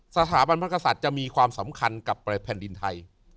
สถาบันพระกษัตริย์จะมีความสำคัญกับแผ่นดินไทย